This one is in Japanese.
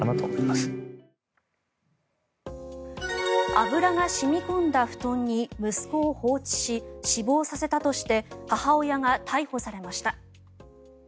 油が染み込んだ布団に息子を放置し死亡させたとして母親が逮捕されました。